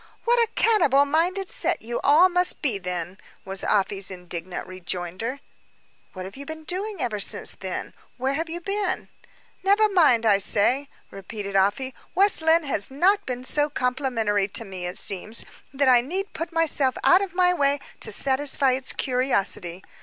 "What a cannibal minded set you all must be, then!" was Afy's indignant rejoinder. "What have you been doing ever since, then? Where have you been?" "Never mind, I say," repeated Afy. "West Lynne has not been so complimentary to me, it appears, that I need put myself out of my way to satisfy its curiosity.